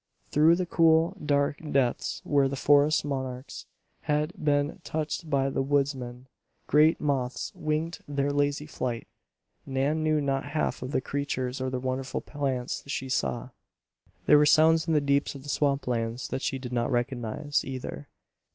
Through the cool, dark depths where the forest monarchs had been untouched by the woodsmen, great moths winged their lazy flight. Nan knew not half of the creatures or the wonderful plants she saw. There were sounds in the deeps of the swamplands that she did not recognize, either.